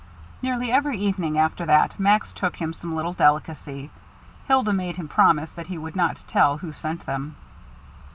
Nearly every evening after that Max took him some little delicacy. Hilda made him promise that he would not tell who sent them.